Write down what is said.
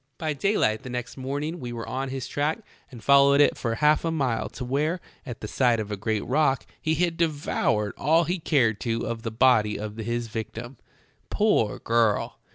"By daylight the next morning we were on his track and followed it for half a mile to where, at the side of a great rock, he had devoured all he cared to of the body of his victim. Poor girl!